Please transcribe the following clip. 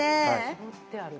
絞ってある。